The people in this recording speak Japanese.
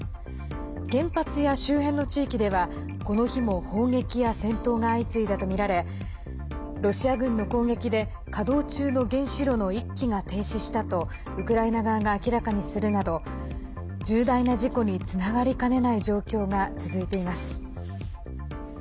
原発や周辺の地域ではこの日も砲撃や戦闘が相次いだとみられロシア軍の攻撃で稼働中の原子炉の１基が停止したとウクライナ側が明らかにするなど重大な事故につながりかねない状況が続いています。